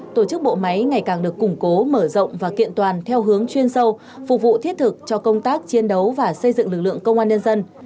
tổ chức bộ máy ngày càng được củng cố mở rộng và kiện toàn theo hướng chuyên sâu phục vụ thiết thực cho công tác chiến đấu và xây dựng lực lượng công an nhân dân